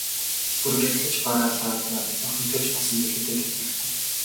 Бүр гэрлэж бараалаад охинтой ч болсон билүү дээ, тэднийх чинь.